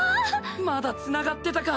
まだつながってたか。